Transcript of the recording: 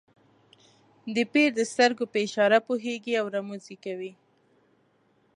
د پیر د سترګو په اشاره پوهېږي او رموز یې کوي.